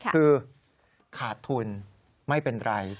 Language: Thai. คือขาดทุนไม่เป็นไร